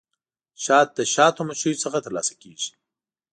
شات د شاتو مچیو څخه ترلاسه کیږي